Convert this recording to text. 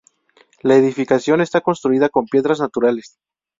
La edificación está construida con piedras naturales.